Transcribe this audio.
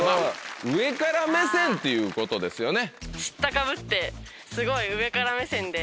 上から目線っていうことですよね。